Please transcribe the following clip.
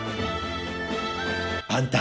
あんた